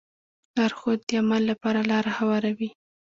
لارښود د عمل لپاره لاره هواروي.